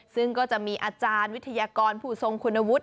ซึ่งก็จะมีอาจารย์วิทยากรผู้ทรงคุณวุฒิ